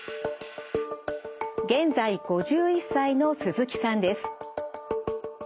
現在５１歳の鈴木さんです。